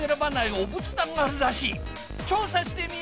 調査してみよう！